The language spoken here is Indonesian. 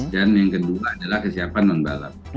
dan yang kedua adalah kesiapan non balap